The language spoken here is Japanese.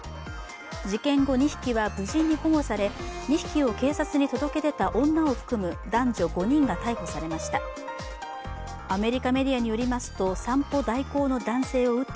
事件後、２匹は無事に保護され２匹を警察に届け出た女を含む男女５人が逮捕されました。